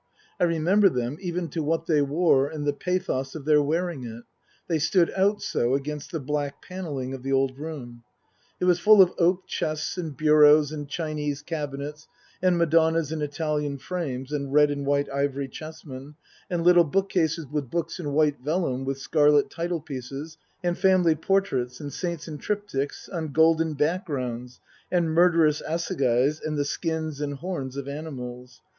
I remember them, even to what they wore and the pathos of their wearing it ; they stood out so against the black panelling of the old room. It was full of oak chests and bureaus and Chinese cabinets, and Madonnas in Italian frames, and red and white ivory chessmen, and little bookcases with books in white vellum with scarlet title pieces, and family portraits, and saints in triptychs on golden backgrounds, and murderous assegais and the skins and horns of animals.